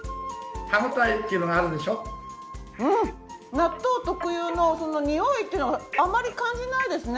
納豆特有のにおいっていうのがあまり感じないですね。